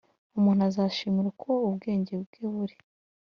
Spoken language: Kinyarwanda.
umuntu azashimirwa uko ubwenge bwe buri,